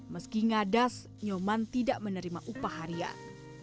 meski ngadas nyoman tidak menerima upah harian